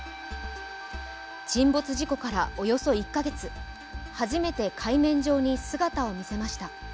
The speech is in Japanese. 沈没事故からおよそ１カ月初めて海面上に姿を見せました。